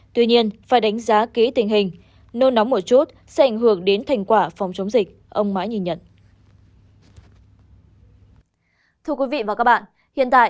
tuy nhiên phải đánh giá kỹ tình hình nôn nóng một chút sẽ ảnh hưởng đến thành quả phòng chống dịch ông mãi nhìn nhận